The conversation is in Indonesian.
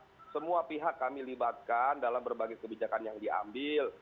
dan semua pihak kami libatkan dalam berbagai kebijakan yang diambil